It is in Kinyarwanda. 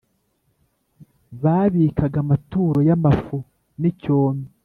babikaga amaturo y’amafu n’icyome